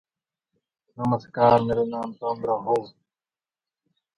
Its issues included race records and jazz.